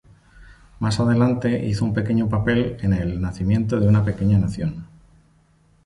Más adelante hizo un pequeño papel en "El nacimiento de una nación".